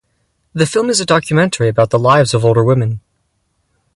The film is a documentary about the lives of older women.